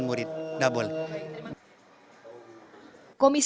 tidak boleh berdamping